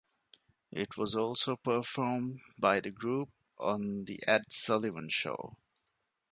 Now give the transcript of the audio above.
It was also performed by the group on The Ed Sullivan Show.